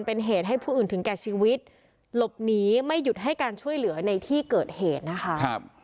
เป็นเหตุให้ผู้อื่นถึงแก่ชีวิตหลบหนีไม่หยุดให้การช่วยเหลือในที่เกิดเหตุนะคะ